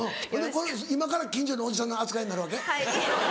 ほんで今から近所のおじさんの扱いになるわけ？